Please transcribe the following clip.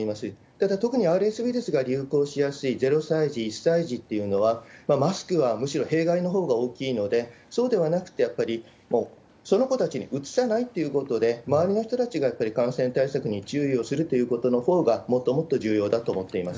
ただ、特にＲＳウイルスが流行しやすい０歳児、１歳児というのは、マスクは、むしろ弊害のほうが大きいので、そうではなくて、やっぱりその子たちにうつさないということで、周りの人たちがやっぱり感染対策に注意をするということのほうが、もっともっと重要だと思っています。